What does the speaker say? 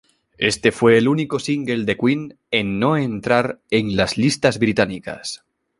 Este fue el único single de Queen en no entrar en las listas británicas.